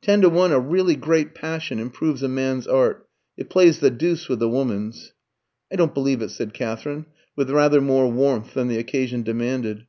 Ten to one, a really great passion improves a man's art: it plays the deuce with a woman's." "I don't believe it!" said Katherine, with rather more warmth than the occasion demanded.